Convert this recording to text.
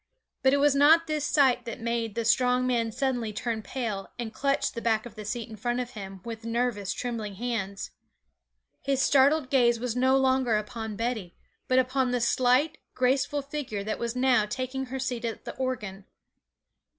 But it was not this sight that made the strong man suddenly turn pale and clutch the back of the seat in front of him with nervous, trembling hands; his startled gaze was no longer upon Betty, but upon the slight, graceful figure that was now taking her seat at the organ.